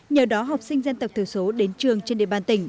nhờ đó học sinh dân tộc thiểu số đến trường trên địa bàn tỉnh